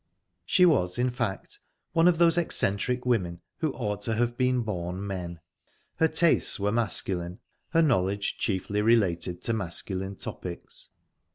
She was, in fact, one of those eccentric women who ought to have been born men. Her tastes were masculine, her knowledge chiefly related to masculine topics.